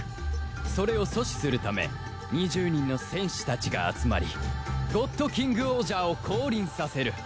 それを阻止するため２０人の戦士たちが集まりゴッドキングオージャーを降臨させる